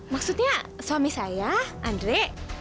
maksudnya suami saya andre